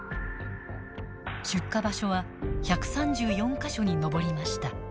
出火場所は１３４か所に上りました。